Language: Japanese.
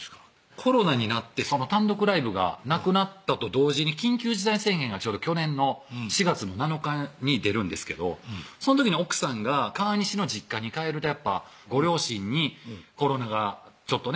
コロナになって単独ライブがなくなったと同時に緊急事態宣言が去年の４月７日に出るんですけどその時に奥さんが川西の実家に帰るとご両親にコロナがちょっとね